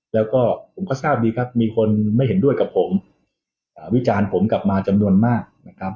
แล้วก็ผมก็ทราบดีครับมีคนไม่เห็นด้วยกับผมวิจารณ์ผมกลับมาจำนวนมากนะครับ